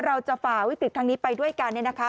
ฝ่าวิกฤตทางนี้ไปด้วยกันเนี่ยนะคะ